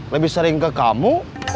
lebih sering ke kamu